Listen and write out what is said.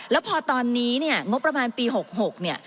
แล้วพอตอนนี้งบประมาณปี๖๖